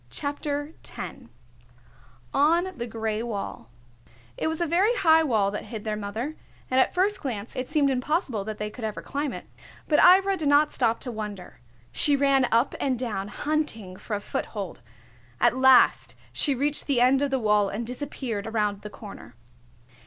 CHAPTER X ON THE GRAY WALL It was a very high wall that hid their mother, and at first glance it seemed impossible that they could ever climb it. But Ivra did not stop to wonder. She ran up and down, hunting for a foothold. At last she reached the end of the wall and disappeared around the corner.